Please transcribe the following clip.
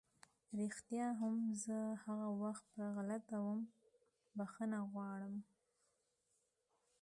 رښتيا هم چې زه هغه وخت پر غلطه وم، بښنه غواړم!